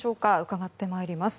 伺ってまいります。